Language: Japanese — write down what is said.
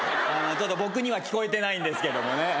僕には聞こえてないんですけどもね